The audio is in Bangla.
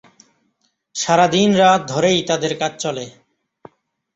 সারা দিন-রাত ধরেই তাদের কাজ চলে।